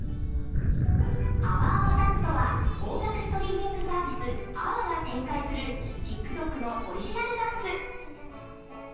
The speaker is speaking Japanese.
あわあわダンスとは音楽ストリーミングサービスＡＷＡが展開するＴｉｋＴｏｋのオリジナルダンス。